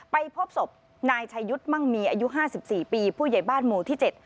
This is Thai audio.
ไปพบศพนายชายุทธ์มั่งมีอายุห้าสิบสี่ปีผู้ใหญ่บ้านหมู่ที่๗